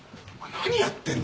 何やってんだ。